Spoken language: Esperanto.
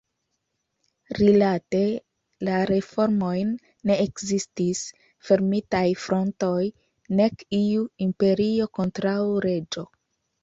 Rilate la reformojn ne ekzistis fermitaj frontoj nek iu „imperio kontraŭ reĝo“.